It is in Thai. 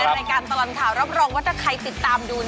รายการตลอดข่าวรับรองว่าถ้าใครติดตามดู